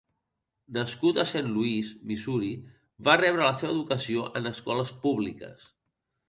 Nascut a Saint Louis, Missouri, va rebre la seva educació en escoles públiques.